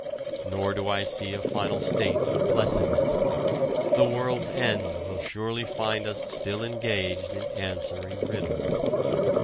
Nor do I see a final state of blessedness. The world's end will surely find us still engaged in answering riddles.